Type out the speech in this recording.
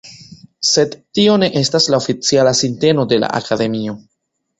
Sed tio ne estas la oficiala sinteno de la Akademio.